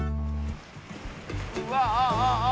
わあああ！